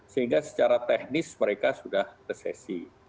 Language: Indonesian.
sehingga secara teknis mereka sudah resesi